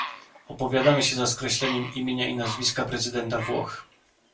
Opowiadamy się za skreśleniem imienia i nazwiska prezydenta Włoch